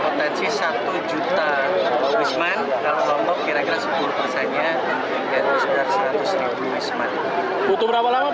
butuh berapa lama pak untuk pemulihan pariwisata